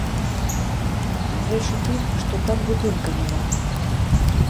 Рэч у тым, што там будынка няма.